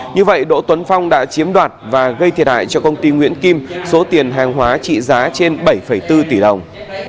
như vậy đỗ tuấn phong đã chiếm đoạt và gây thiệt hại cho công ty nguyễn kim số tiền hàng hóa trị giá trên bảy bốn tỷ đồng